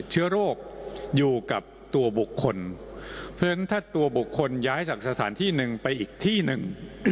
เชื้อโรคอยู่กับตัวบุคคลเพราะฉะนั้นถ้าตัวบุคคลย้ายจากสถานที่หนึ่งไปอีกที่หนึ่ง